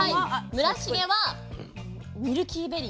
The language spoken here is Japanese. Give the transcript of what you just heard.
村重はミルキーベリーいきます。